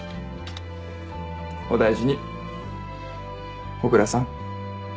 お大事に小椋さん。